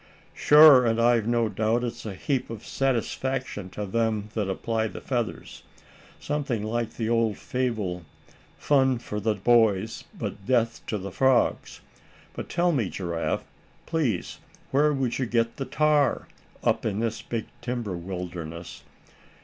"Sure, and I've no doubt it's a heap of satisfaction to them that apply the feathers. Something like the old fable 'fun for the boys, but death to the frogs.' But tell me, Giraffe, please where would you get the tar, up in this big timber wilderness?